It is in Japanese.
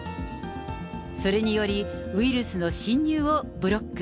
それにより、ウイルスの侵入をブロック。